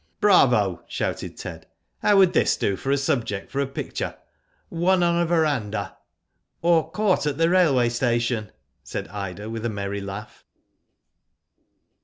*' Bravo !" shouted Ted. " How would this do for a subject for a picture, ' Won on a verandah.' "*' Or, ' Caught at the railway station,' " said Ida, with a merry laugh.